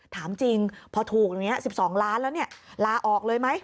ถามจริงพอถูกอย่างนี้๑๒ล้านแล้วลาออกเลยไหม